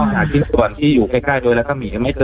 อ๋อหาที่ส่วนที่อยู่ใกล้ใกล้โดยแล้วก็มีไม่เจอ